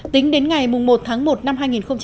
tính đến ngày một tháng một năm hai nghìn một mươi tám